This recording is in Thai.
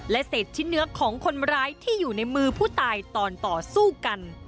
และเศษชิ้นเนื้อของคนร้ายที่อยู่ในมือผู้ตายตอนต่อสู้กัน